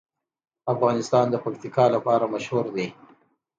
افغانستان د پکتیکا لپاره مشهور دی.